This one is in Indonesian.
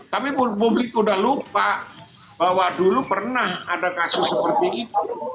tapi publik sudah lupa bahwa dulu pernah ada kasus seperti itu